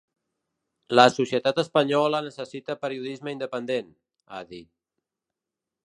“La societat espanyola necessita periodisme independent”, ha dit.